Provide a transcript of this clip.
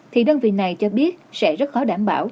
thì đơn vị này cho biết sẽ rất khó đảm bảo